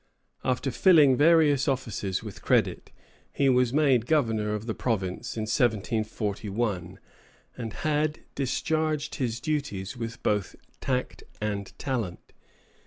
After filling various offices with credit, he was made governor of the province in 1741, and had discharged his duties with both tact and talent.